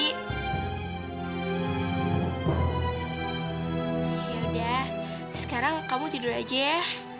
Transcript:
udah sekarang kamu tidur aja ya